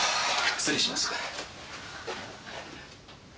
失礼します。